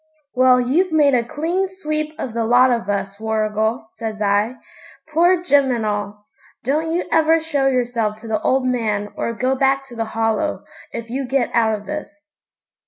'Well, you've made a clean sweep of the lot of us, Warrigal,' says I, 'poor Jim and all. Don't you ever show yourself to the old man or go back to the Hollow, if you get out of this.'